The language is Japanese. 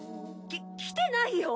き来てないよ。